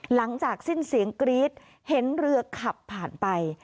หลังจากสิ้นเสียงกรี๊ดเห็นเรือขับผ่านไป